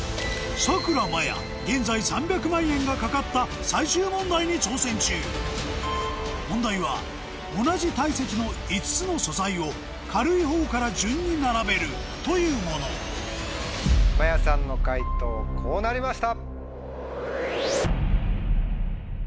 現在３００万円が懸かった最終問題に挑戦中問題は同じ体積の５つの素材を軽いほうから順に並べるというものまやさんの解答こうなりました。